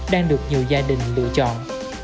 đang được nhiều gia đình lựa chọn